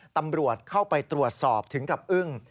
ตำรวจเข้าไปตรวจสอบถึงกับอึ้ง